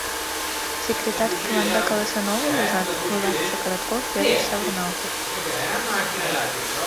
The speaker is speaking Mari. Секретарь тыланда каласен огыл, ужат? — вуйлатыше Коротков велыш савырналтыш.